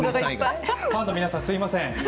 ファンの皆さんすみません。